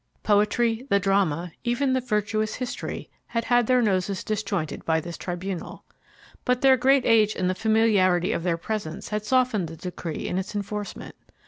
Poetry, the Drama, even the virtuous History, had had their noses disjointed by this tribunal. But their great age and the familiarity of their presence had softened the decree in its enforcement.